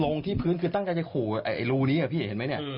ลงที่พื้นคือตั้งใจจะห่วงไอ้รูนี้เห็นไหมเนี่ย